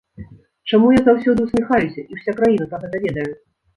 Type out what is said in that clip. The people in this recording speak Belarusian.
Чаму я заўсёды ўсміхаюся, і ўся краіна пра гэта ведае?